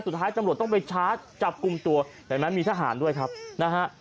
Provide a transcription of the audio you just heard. ตำรวจต้องไปชาร์จจับกลุ่มตัวเห็นไหมมีทหารด้วยครับนะฮะ